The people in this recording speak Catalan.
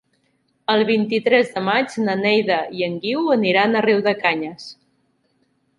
El vint-i-tres de maig na Neida i en Guiu aniran a Riudecanyes.